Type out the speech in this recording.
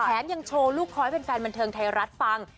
ยังโชว์ลูกคอยให้แฟนบันเทิงไทยรัฐฟัง